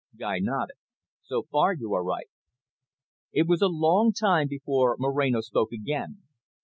Guy nodded. "So far, you are right." It was a long time before Moreno spoke again.